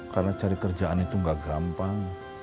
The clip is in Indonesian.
karena cari kerjaan itu gak gampang